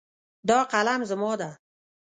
دا قلم زما ده